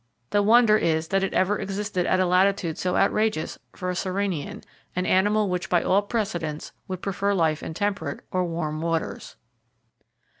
The wonder is that it ever existed at a latitude so outrageous for a Sirenian, an animal which by all precedents should prefer life in temperate or warm waters.